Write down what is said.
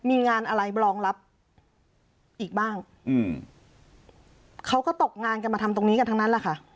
อีกบ้างอืมเขาก็ตกงานกันมาทำตรงนี้กันทั้งนั้นแหละค่ะ